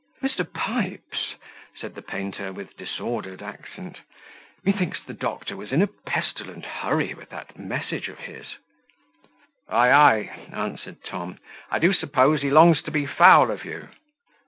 "Mr. Pipes," said the painter, with disordered accent, "methinks the doctor was in a pestilent hurry with that message of his." "Ey, ey," answered Tom, "I do suppose he longs to be foul of you."